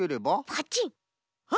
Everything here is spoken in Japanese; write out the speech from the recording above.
パチンあ！